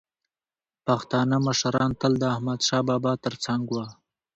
پښتانه مشران تل د احمدشاه بابا تر څنګ وو.